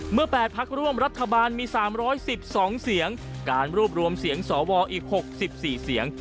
๘พักร่วมรัฐบาลมี๓๑๒เสียงการรวบรวมเสียงสวอีก๖๔เสียง